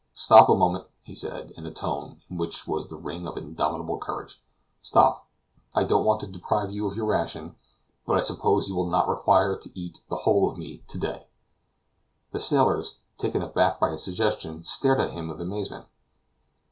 "Stop a moment!" he said in a tone in which was the ring of indomitable courage. "Stop! I don't want to deprive you of your ration; but I suppose you will not require to eat the whole of me to day." The sailors, taken back by his suggestion, stared at him with amazement.